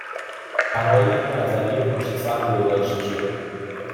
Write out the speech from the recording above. برای این نظریه پشت سر گذاشته شد